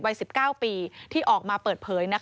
วัย๑๙ปีที่ออกมาเปิดเผย